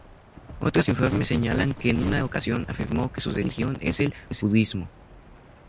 Otros informes señalan que en una ocasión afirmó que su religión es el budismo.